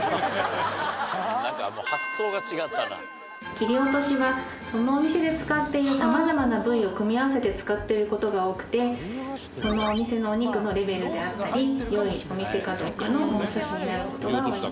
切り落としはそのお店で使っている様々な部位を組み合わせて使ってる事が多くてそのお店のお肉のレベルであったり良いお店かどうかの物差しになる事が多いんです。